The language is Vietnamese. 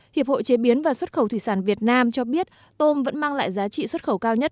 hiệp hội chế biến và xuất khẩu thủy sản việt nam cho biết tôm vẫn mang lại giá trị xuất khẩu cao nhất